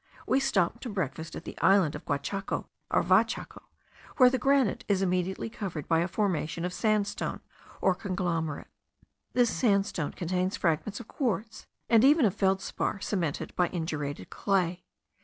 We stopped to breakfast at the island of Guachaco, or Vachaco, where the granite is immediately covered by a formation of sandstone, or conglomerate. This sandstone contains fragments of quartz, and even of feldspar, cemented by indurated clay.